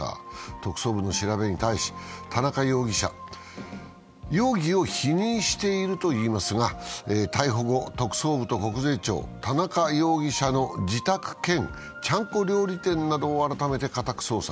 特捜部の調べに対し、田中容疑者、容疑を否認しているといいますが、逮捕後、特捜部と国税庁、田中容疑者の自宅兼ちゃんこ料理店を改めて家宅捜索。